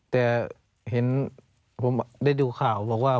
แต่เห็นผมได้ดูข่าวบอกว่า